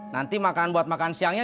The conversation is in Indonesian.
nanti makan buat makan siangnya